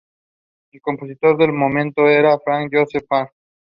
El compositor del momento era Franz Joseph Haydn.